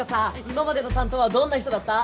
今までの担当はどんな人だった？